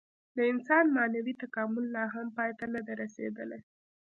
د انسان معنوي تکامل لا هم پای ته نهدی رسېدلی.